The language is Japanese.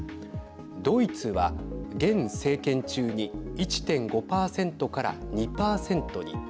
ドイツは現政権中に１．５％から２％に。